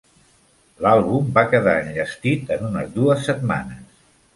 L'àlbum va quedar enllestit en unes dues setmanes.